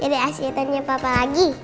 jadi aksesannya papa lagi